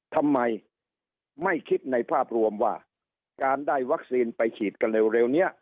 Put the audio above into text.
ทำไมไม่คิดในภาพรวมว่าการได้วัคซีนไปฉีดกันเร็วนี้